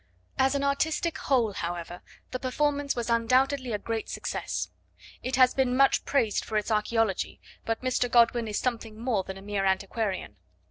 As an artistic whole, however, the performance was undoubtedly a great success. It has been much praised for its archaeology, but Mr. Godwin is something more than a mere antiquarian.